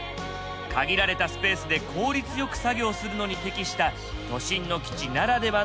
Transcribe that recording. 限られたスペースで効率よく作業するのに適した都心の基地ならではのマシンです。